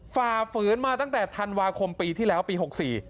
ฝ่าฝืนมาตั้งแต่ธันวาคมปีที่แล้วปีหกสี่